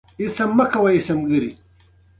افغانستان د غزني له مخې پېژندل کېږي.